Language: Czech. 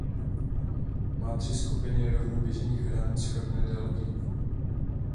Má tři skupiny rovnoběžných hran shodné délky.